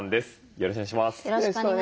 よろしくお願いします。